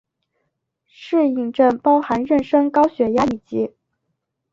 适应症包含妊娠高血压以及。